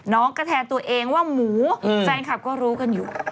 น้องก็แทนตัวเองว่าหมูแฟนคลับก็รู้กันอยู่